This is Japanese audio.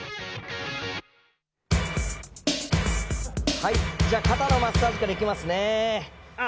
はい、じゃあ、肩のマッサージからいきますね。